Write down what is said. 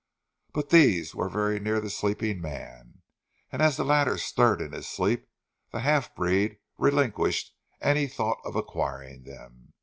But these were very near the sleeping man, and as the latter stirred in his sleep, the half breed relinquished any thought of acquiring them.